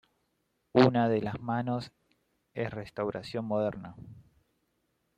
Una de las manos es restauración moderna.